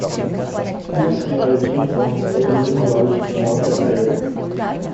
Uma senhora de uniforme está usando um balde de mop amarelo.